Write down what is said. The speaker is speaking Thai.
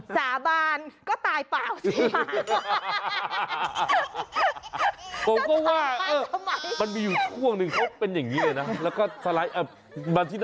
สาบานก็ตายเปล่าสิค่ะ